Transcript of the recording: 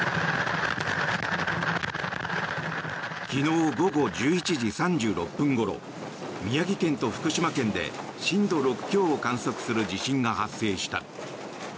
昨日午後１１時３６分ごろ宮城県と福島県で震度６強を観測する地震が発生した。